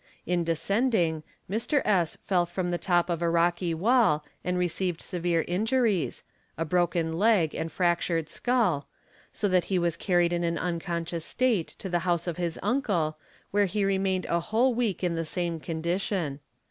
In descending, Mr. S§. fell from the top of a rocky wall and received severe injuries,—a broken leg and fractured skull—so ' shat he was carried in an unconscious state to the house of his uncle where he remained a whole week in the same condition.